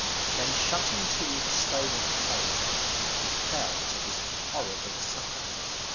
Then shutting to the stone of the cave, he fell to his horrible supper.